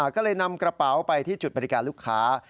ก็เลยนำกระเป๋าไปที่จุดบริการลูกค้า